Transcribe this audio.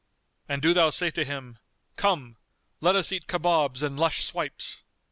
And do thou say to him, Come, let us eat kabobs and lush swipes.